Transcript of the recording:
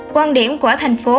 quan điểm của thành phố